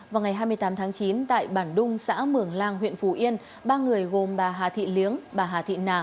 vào ngày hai mươi tám tháng chín tại bản đung xã mường lang huyện phù yên ba người gồm bà hà thị liếng bà hà thị nà